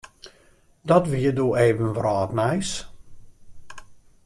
Dat wie doe even wrâldnijs.